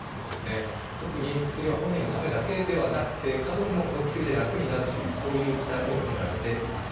特に薬は本人のためだけでなくて家族もこの薬で楽になるという期待も寄せられています。